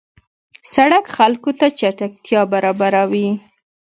سړک خلکو ته چټکتیا برابروي.